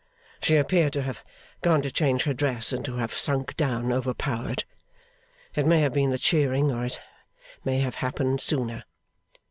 She appeared to have gone to change her dress, and to have sunk down overpowered. It may have been the cheering, or it may have happened sooner.